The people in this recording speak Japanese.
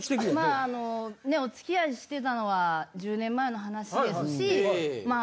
まああのねえお付き合いしてたのは１０年前の話ですしまあ